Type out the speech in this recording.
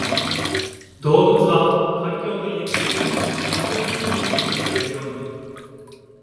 動物は環境と有機的に融合的に生きるといわれるように、